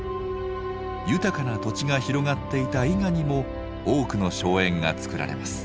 豊かな土地が広がっていた伊賀にも多くの荘園が作られます。